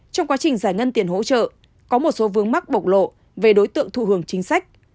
trong quá trình giải ngân tiền hỗ trợ có một số vướng mắc bộc lộ về đối tượng thụ hưởng chính sách